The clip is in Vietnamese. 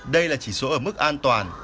đây là chỉ số ở mức an toàn